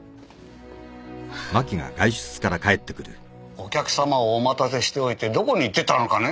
お客様をお待たせしておいてどこに行ってたのかね？